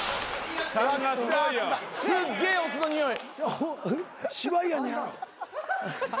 すっげえお酢のにおい。